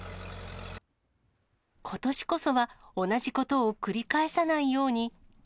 ことしこそは、同じことを繰り返さないように。